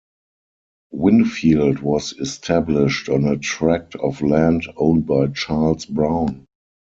Winfield was established on a tract of land owned by Charles Brown.